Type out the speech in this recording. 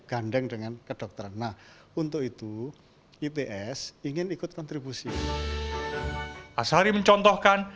gandeng dengan kedokteran nah untuk itu its ingin ikut kontribusi asari mencontohkan